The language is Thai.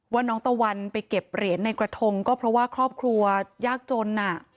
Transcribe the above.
ว่าน้องตะวันไปเก็บเหรียญในกระทงก็เพราะว่าครอบครัวยากจน